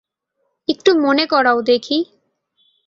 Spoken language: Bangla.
একটু মনে করাও দেখি।